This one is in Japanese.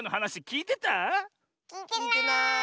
きいてない。